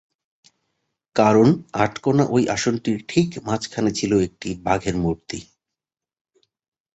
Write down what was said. কারণ আট কোণা ঐ আসনটির ঠিক মাঝখানে ছিলো একটি বাঘের মূর্তি।